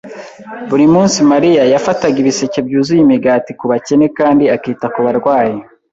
Buri munsi Mariya yafataga ibiseke byuzuye imigati kubakene kandi akita ku barwayi.